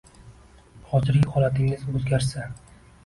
Hozirgi holatingiz o’zgarsa